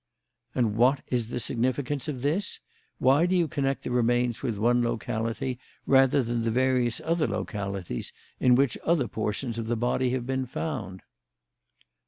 "And what is the significance of this? Why do you connect the remains with one locality rather than the various other localities in which other portions of the body have been found?"